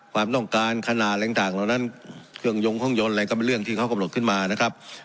ความต้องการขนาดอะไรต่างเหล่านั้นเครื่องยงเครื่องยนต์อะไรก็เป็นเรื่องที่เขากำหนดขึ้นมานะครับ